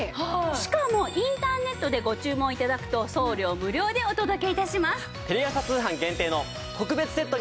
しかもインターネットでご注文頂くと送料無料でお届け致します。